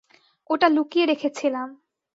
ওটা লুকিয়ে রেখেছিলাম।